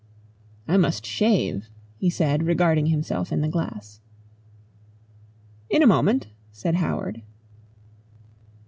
"I must shave," he said regarding himself in the glass. "In a moment," said Howard.